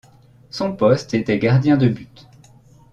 Son poste était gardien de but.